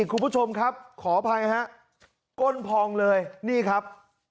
คุณผู้ชมครับขออภัยฮะก้นพองเลยนี่ครับ